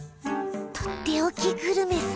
とっておきグルメさ。